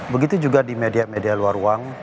begitu juga di media media luar ruang